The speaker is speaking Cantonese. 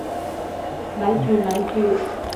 咪住咪住！